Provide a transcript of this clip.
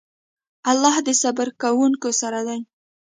الله د صبر کوونکو سره دی.